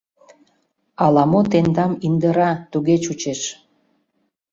Ала-мо тендам индыра, туге чучеш.